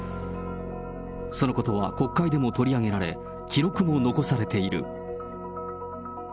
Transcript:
そのことは国会でも取り上げられ、記録も残されている。